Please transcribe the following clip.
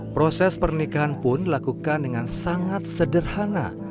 proses pernikahan pun dilakukan dengan sangat sederhana